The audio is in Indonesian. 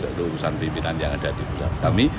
yaitu urusan pimpinan yang ada di pusat kami